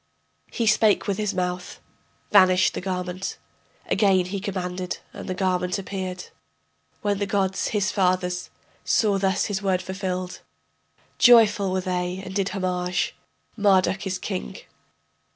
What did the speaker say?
He spake with his mouth, vanished the garment; Again he commanded, and the garment appeared. When the gods, his fathers, saw thus his word fulfilled, Joyful were they and did homage: Marduk is king.